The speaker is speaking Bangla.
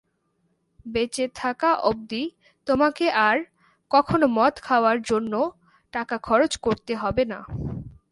বেঁচে থাকা অব্দি তোমাকে আর কখনো মদ খাওয়ার জন্য টাকা খরচ করতে হবে না।